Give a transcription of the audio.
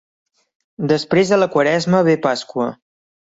Després de la Quaresma ve Pasqua.